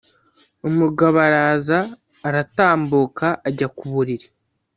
Umugabo araza, aratambuka, ajya ku buriri.